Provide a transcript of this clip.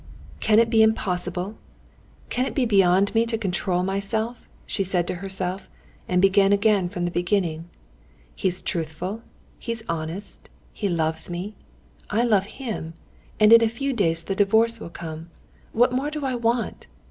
"Can it be impossible? Can it be beyond me to control myself?" she said to herself, and began again from the beginning. "He's truthful, he's honest, he loves me. I love him, and in a few days the divorce will come. What more do I want?